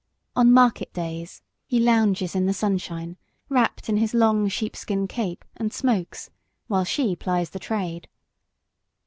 On market days he lounges in the sunshine, wrapped in his long sheepskin cape, and smokes, while she plies the trade.